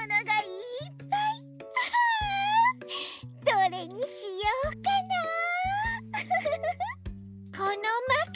どれにしようかなあ？